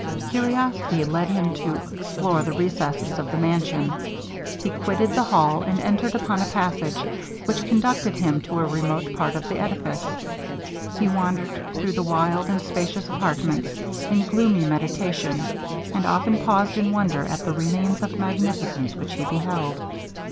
Curiosity led him to explore the recesses of the mansion. He quitted the hall, and entered upon a passage which conducted him to a remote part of the edifice. He wandered through the wild and spacious apartments in gloomy meditation, and often paused in wonder at the remains of magnificence which he beheld.